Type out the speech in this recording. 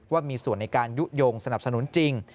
ว่ามีส่วนในการยุโยงสนับสนุนจริง